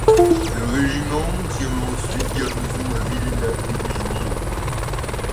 Le régiment tient ensuite garnison à Vilna début juillet.